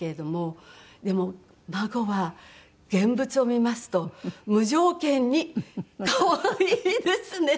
でも孫は現物を見ますと無条件に可愛いですね。